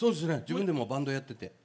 自分でもバンドやってて。